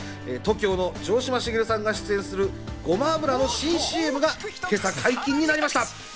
ＴＯＫＩＯの城島茂さんが出演するごま油の新ＣＭが今朝、解禁になりました。